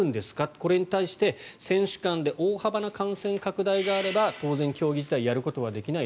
これに対して選手間で大幅な感染拡大があれば当然、競技自体やることはできない。